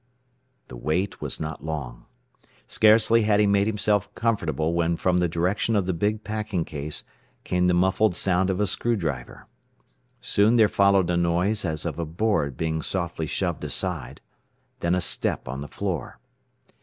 The wait was not long. Scarcely had he made himself comfortable when from the direction of the big packing case came the muffled sound of a screw driver. Soon there followed a noise as of a board being softly shoved aside, then a step on the floor.